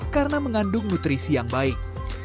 karena mengandung nutrisi yang baik